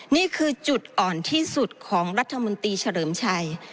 นี่คือจุดอ่อนที่สุดของรัฐมนตรีเฉลิมชัย